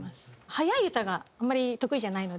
速い歌があんまり得意じゃないので。